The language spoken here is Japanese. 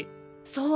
そう！